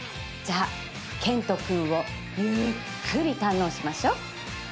じゃあ健人君をゆっくり堪能しましょう。